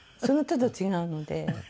その都度違うので。